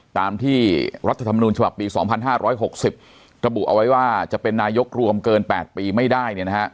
ตามที่รัฐธรรมนูญฉบับปี๒๕๖๐ระบุเอาไว้ว่าจะเป็นนายกรวมเกิน๘ปีไม่ได้